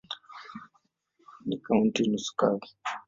Ni kaunti nusu kavu.